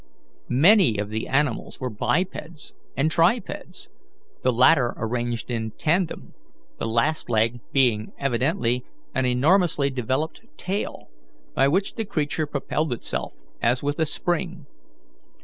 Many of the animals were bipeds and tripeds, the latter arranged in tandem, the last leg being evidently an enormously developed tail, by which the creature propelled itself as with a spring.